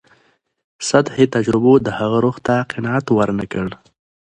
سطحي تجربو د هغه روح ته قناعت ورنکړ.